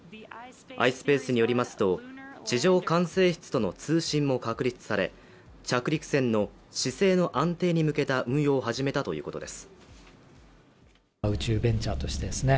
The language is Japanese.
ｉｓｐａｃｅによりますと地上管制室との通信も確立され着陸船の姿勢の安定に向けた運用を始めたということです。